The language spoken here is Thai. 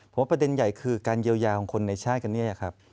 เพราะประเด็นใหญ่คือการเยียวยาของคนในชาติกันเนี่ยครับ